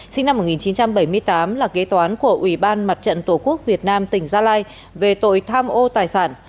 sinh năm một nghìn chín trăm bảy mươi tám là kế toán của ủy ban mặt trận tổ quốc việt nam tỉnh gia lai về tội tham ô tài sản